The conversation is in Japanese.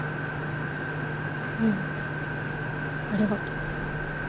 うんありがとう。